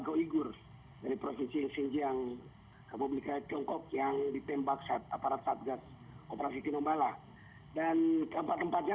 dari informasi yang kami dapatkan kemungkinan besar sudah ada empat jenazah warga uyghur